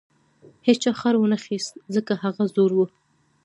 هیچا خر ونه خیست ځکه هغه زوړ و.